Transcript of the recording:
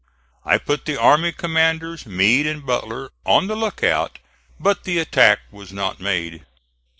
I put the army commanders, Meade and Butler, on the lookout, but the attack was not made.